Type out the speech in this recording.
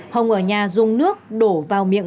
hồng ở nhà dung nước đổ vào miệng